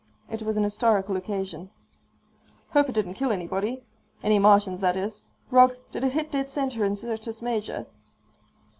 It was an historical occasion. "Hope it didn't kill anybody. Any Martians, that is. Rog, did it hit dead center in Syrtis Major?"